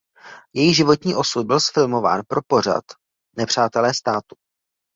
Její životní osud byl zfilmován pro pořad "Nepřátelé státu".